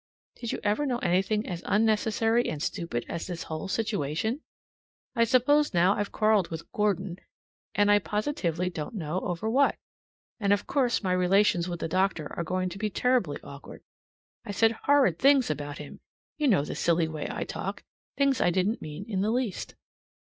Did you ever know anything as unnecessary and stupid as this whole situation? I suppose now I've quarreled with Gordon, and I positively don't know over what, and of course my relations with the doctor are going to be terribly awkward. I said horrid things about him, you know the silly way I talk, things I didn't mean in the least.